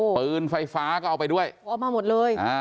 เปินไฟฟ้าก็เอาไปด้วยอ๋อเอามาหมดเลยอ่า